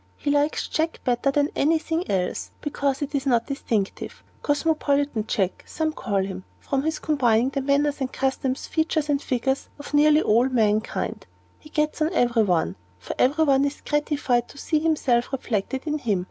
He likes 'Jack' better than any thing else, because it is not distinctive. 'Cosmopolitan Jack,' some call him, from his combining the manners and customs, features and figures, of nearly all mankind. He gets on with every one, for every one is gratified by seeing himself reflected in him.